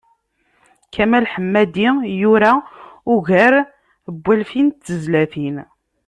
Kamal Ḥemmadi yura ugar n walfin n tezlatin.